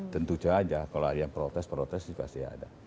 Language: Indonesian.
tentu saja kalau ada yang protes protes pasti ada